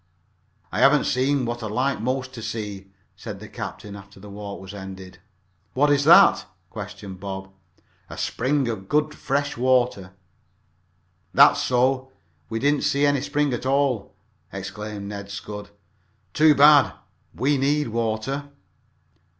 "I haven't seen what I'd like most to see," said the captain, after the walk was ended. "What is that?" questioned Bob. "A spring of good, fresh water." "That's so we didn't see any spring at all!" exclaimed Ned Scudd. "Too bad! We need water."